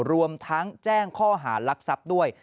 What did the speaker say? รวมทั้งแจ้งข้อหารักทรัพย์ด้วย